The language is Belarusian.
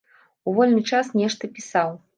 У вольны час нешта пісаў.